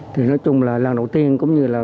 thì nói chung là lần đầu tiên cũng như là